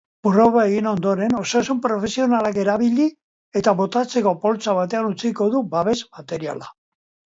Proba egin ondoren, osasun-profesionalak erabili eta botatzeko poltsa batean utziko du babes-materiala.